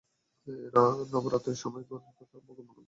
নবরাত্রির সময় ঘরের কথা খুব মনে পড়ে আমার।